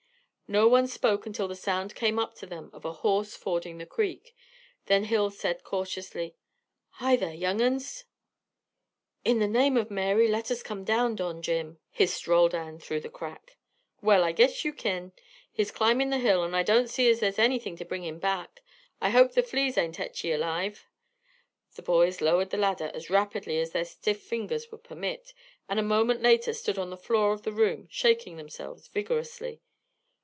No one spoke until the sound came up to them of a horse fording the creek. Then Hill said cautiously, "Hi, there, young uns." "In the name of Mary let us come down, Don Jim," hissed Roldan, through the crack. "Well, I guess you kin. He's climbin' the hill, and I don't see as there's anything to bring him back. I hope the fleas ain't et ye alive." The boys lowered the ladder as rapidly as their stiff fingers would permit, and a moment later stood on the floor of the room, shaking themselves vigorously.